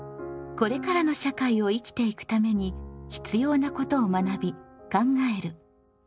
これからの社会を生きていくために必要なことを学び考える「公共」。